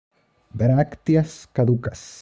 Brácteas caducas.